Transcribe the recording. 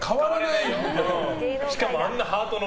しかもあんなハートの。